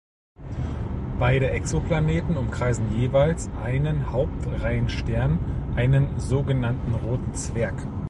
Beide Exoplaneten umkreisen jeweils einen Hauptreihenstern, einen so genannten Roten Zwerg.